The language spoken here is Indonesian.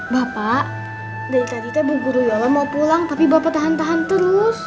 bapak dari tadi bu guri lola mau pulang tapi bapak tahan tahan terus